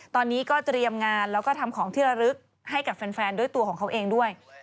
ตอนนี้ก็เตรียมงานแล้วก็ทำของที่ระลึกให้กับแฟนด้วยตัวของเขาเองด้วย